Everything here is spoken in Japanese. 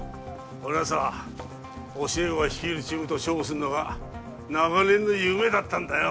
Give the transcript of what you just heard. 俺はさ教え子が率いるチームと勝負するのが長年の夢だったんだよ